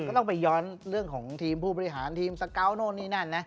ต้องไปย้อนเรื่องของทีมผู้บริหารทีมสเกาะโน้นนี่นั่นนะ